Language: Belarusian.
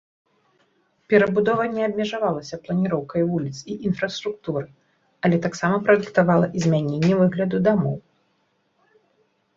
Перабудова не абмежавалася планіроўкай вуліц і інфраструктуры, але таксама прадыктавала і змяненне выгляду дамоў.